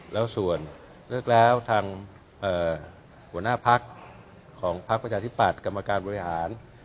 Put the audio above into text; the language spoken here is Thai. แล้วส่วนเลือกแล้วทางหัวหน้าพักของพักประชาธิปัตย์กรรมการบริหาร